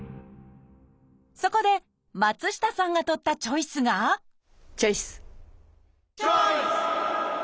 そこで松下さんがとったチョイスがチョイス！